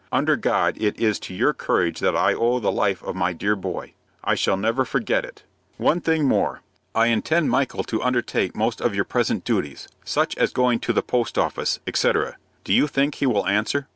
"Under God it is to your courage that I owe the life of my dear boy. I shall never forget it. One thing more. I intend Michael to undertake most of your present duties, such as going to the post office, etc. Do you think he will answer?"